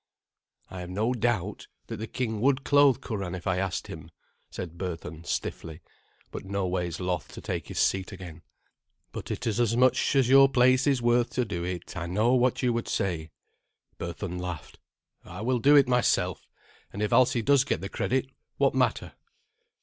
"I have no doubt that the king would clothe Curan if I asked him," said Berthun stiffly, but noways loth to take his seat again. "But it is as much as your place is worth to do it. I know what you would say." Berthun laughed. "I will do it myself, and if Alsi does get the credit, what matter?"